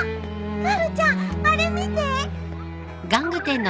まるちゃんあれ見て。